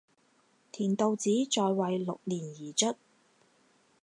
田悼子在位六年而卒。